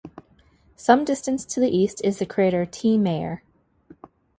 Some distance to the east is the crater T. Mayer.